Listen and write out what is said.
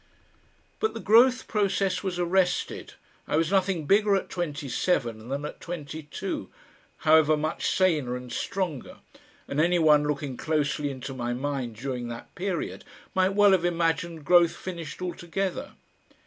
But the growth process was arrested, I was nothing bigger at twenty seven than at twenty two, however much saner and stronger, and any one looking closely into my mind during that period might well have imagined growth finished altogether.